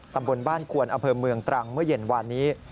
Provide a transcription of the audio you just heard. ตำบลบ้านควนอำเภอเมืองตรังเมื่อเย็นวานนี้